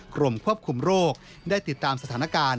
กรมควบคุมโรคได้ติดตามสถานการณ์